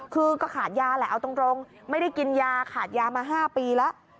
คือก็ขาดยาแหละเอาตรงไม่ได้กินยาขาดยามา๕ปีแล้ว